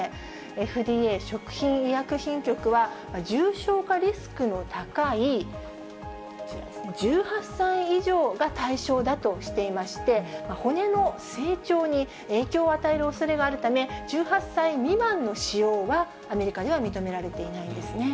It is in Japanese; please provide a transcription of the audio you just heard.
ＦＤＡ・食品医薬品局は、重症化リスクの高い、こちらですね、１８歳以上が対象だとしていまして、骨の成長に影響を与えるおそれがあるため、１８歳未満の使用はアメリカでは認められていないんですね。